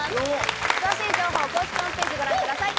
詳しい情報は公式ホームページをご覧ください。